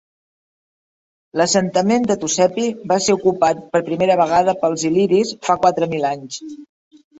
L'assentament de Tucepi va ser ocupat per primera vegada pels il·liris fa quatre mil anys.